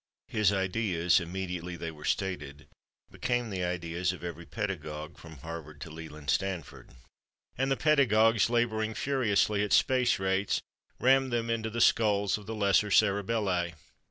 His ideas, immediately they were stated, became the ideas of every pedagogue from Harvard to Leland Stanford, and the pedagogues, laboring furiously at space rates, rammed them into the skulls of the lesser cerebelli.